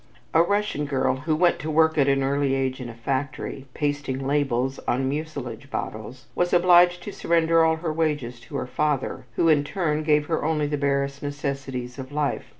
A Russian girl who went to work at an early age in a factory, pasting labels on mucilage bottles, was obliged to surrender all her wages to her father who, in return, gave her only the barest necessities of life.